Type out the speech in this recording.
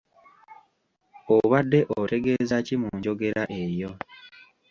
Obadde otegeeza ki mu njogera eyo?